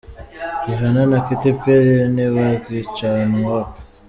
Rihana na Keti Peri ntibagicana uwaka